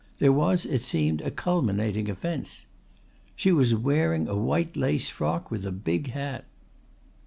There was, it seemed, a culminating offence. "She was wearing a white lace frock with a big hat."